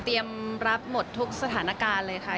รับหมดทุกสถานการณ์เลยค่ะ